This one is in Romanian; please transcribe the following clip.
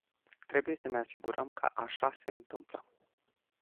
Trebuie să ne asigurăm că așa se întâmplă.